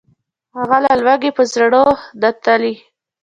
هغه له لوږي په زړو نتلي